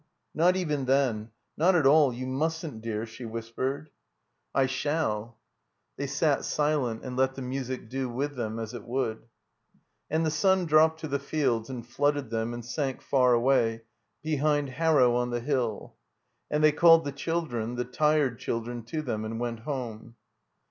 Not even then. Not at all. You mustn't, dear," she whispered. "I shaU." They sat silent and let the music do with them as it would. And the stm dropped to the fields and flooded them and sank far away, behind Harrow on the Hill. And they called the children, the tired children, to them and went home.